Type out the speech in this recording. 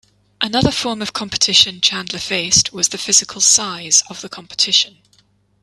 Another form of competition Chandler faced was the physical size of the competition.